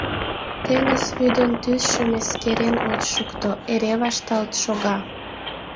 Теҥыз вӱдын тӱсшым эскерен от шукто, эре вашталт шога.